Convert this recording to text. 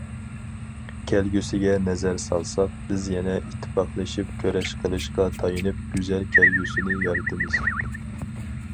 كەلگۈسىگە نەزەر سالساق، بىز يەنە ئىتتىپاقلىشىپ كۈرەش قىلىشقا تايىنىپ گۈزەل كەلگۈسىنى يارىتىمىز.